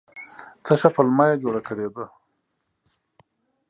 څه ښه پلمه یې جوړه کړې ده !